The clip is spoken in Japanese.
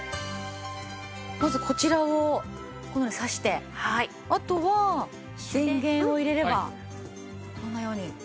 まずこちらをこのようにさしてあとは電源を入れればこのように。